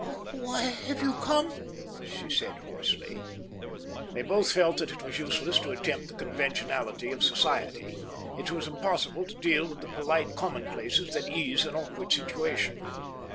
"Why have you come?" she said hoarsely. They both felt that it was useless to attempt the conventionality of society. It was impossible to deal with the polite commonplaces that ease an awkward situation.